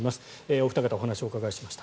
お二方、お話をお伺いしました。